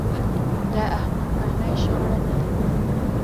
دا احمقانه شخړه نه ده